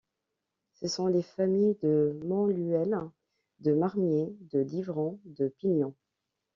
Ce sont les familles de De Montluel, De Marmier, De Livron, De Pingon.